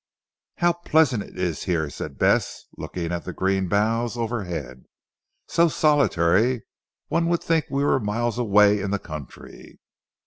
"How pleasant it is here," said Bess looking at the green boughs overhead, "so solitary! One would think we were miles away in the country."